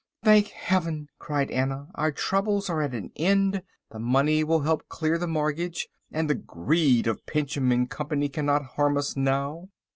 "Thank Heaven!" cried Anna, "our troubles are at an end. This money will help clear the mortgage—and the greed of Pinchem & Co. cannot harm us now."